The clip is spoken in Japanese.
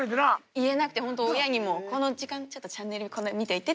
言えなくてホント親にも「この時間ちょっとチャンネルこれ見ていて」っていうだけで。